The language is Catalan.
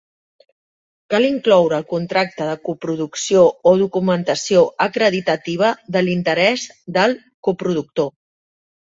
Cal incloure el contracte de coproducció o documentació acreditativa de l'interès del coproductor.